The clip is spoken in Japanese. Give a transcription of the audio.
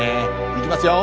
いきますよ。